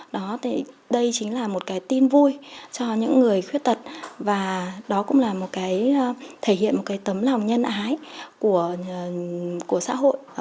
đây chính là một cái tin vui cho những người khuyết tật và đó cũng là một cái thể hiện một cái tấm lòng nhân ái của xã hội